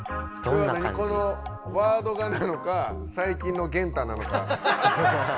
それはなにこのワードがなのか最近のゲンタなのか。